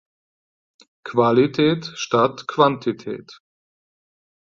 Qualität statt Quantität.